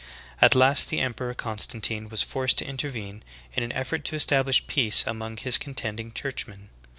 At last the emperor, Constantine, was forced to intervene in an effort to establish peace among his contending churchmen.